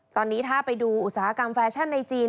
ตอนนี้ถ้าไปดูอุตสาหกรรมแฟชั่นในจีน